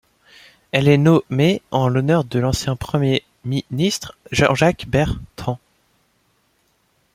Elle est nommée en l'honneur de l'ancien premier ministre Jean-Jacques Bertrand.